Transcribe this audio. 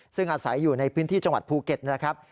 ซึ่งอาศัยอยู่ในพื้นที่จังหวัดภูเก็ตนะครับ